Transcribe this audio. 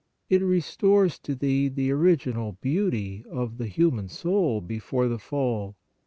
It restores to thee the original beauty of the human soul before the fall.